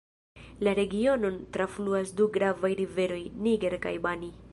La regionon trafluas du gravaj riveroj: Niger kaj Bani.